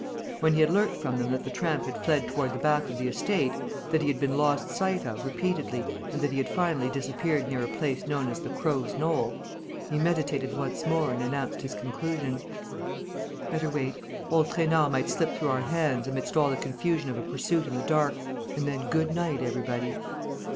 When he had learnt from them that the tramp had fled toward the back of the estate, that he had been lost sight of repeatedly and that he had finally disappeared near a place known as the Crows' Knoll, he meditated once more and announced his conclusion: "Better wait. Old Trainard might slip through our hands, amidst all the confusion of a pursuit in the dark, and then good night, everybody!"